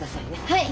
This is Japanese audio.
はい。